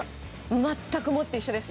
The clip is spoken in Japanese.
全くもって一緒ですね。